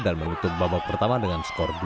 dan menutup babak pertama dengan skor dua satu